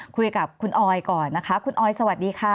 คุยกับคุณออยก่อนนะคะคุณออยสวัสดีค่ะ